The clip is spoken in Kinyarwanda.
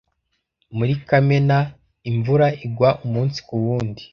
Muri Kamena, imvura igwa umunsi ku wundi.